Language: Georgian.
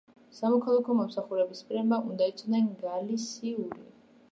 სამოქალაქო მომსახურების პირებმა უნდა იცოდნენ გალისიური.